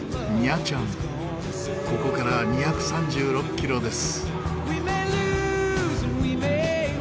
ここから２３６キロです。